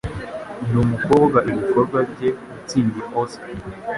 Numukobwa ibikorwa bye yatsindiye Oscar.